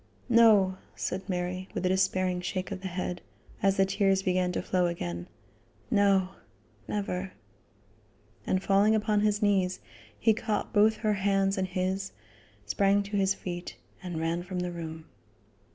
"No," said Mary, with a despairing shake of the head, as the tears began to flow again; "no! never." And falling upon his knees, he caught both her hands in his, sprang to his feet and ran from the room.